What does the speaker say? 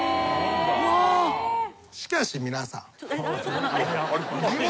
しかし皆さん。